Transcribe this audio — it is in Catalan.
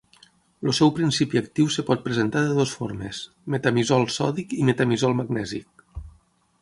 El seu principi actiu es pot presentar de dues formes: metamizol sòdic i metamizol magnèsic.